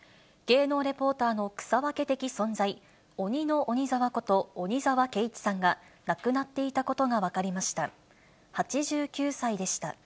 芸能レポーターの草分け的存在、鬼の鬼澤こと、鬼澤慶一さんが亡くなっていたことが分かりました。